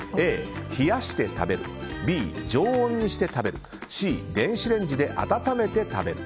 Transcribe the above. Ａ、冷やして食べるＢ、常温にして食べるＣ、電子レンジで温めて食べる。